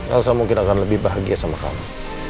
elsa mungkin akan lebih bahagia sama kami